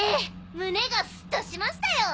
胸がスッとしましたよ！